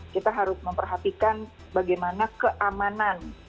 kita harus memperhatikan bagaimana keamanan